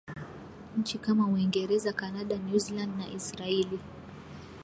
Nchi kama Uingereza Kanada Newzealand na Israeli